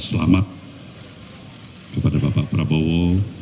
selamat kepada bapak prabowo